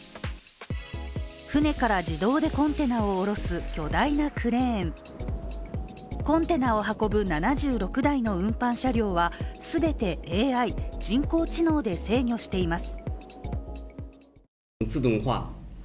船から自動でコンテナを降ろす巨大なクレーンコンテナを運ぶ７６台の運搬車両は全てＡＩ＝人工知能で制御しています。